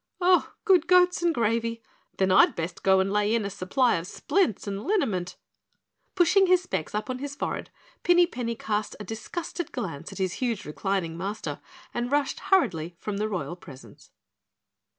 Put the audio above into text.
"Oh, good goats and gravy! Then I'd best go and lay in a supply of splints and liniment." Pushing his specs up on his forehead, Pinny Penny cast a disgusted glance at his huge reclining master and rushed hurriedly from the royal presence.